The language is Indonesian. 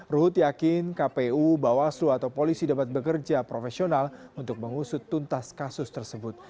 ruhut yakin kpu bawaslu atau polisi dapat bekerja profesional untuk mengusut tuntas kasus tersebut